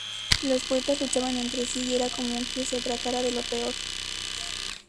Los poetas luchaban entre sí, y era común que se trataran de lo peor.